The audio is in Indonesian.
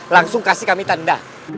langsung kasih kami tanda